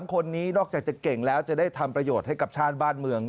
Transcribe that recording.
คนนี้นอกจากจะเก่งแล้วจะได้ทำประโยชน์ให้กับชาติบ้านเมือง